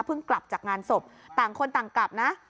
กลับจากงานศพต่างคนต่างกลับนะ